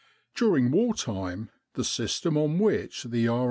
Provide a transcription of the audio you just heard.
During war time the system on which the R.